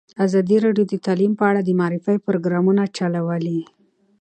ازادي راډیو د تعلیم په اړه د معارفې پروګرامونه چلولي.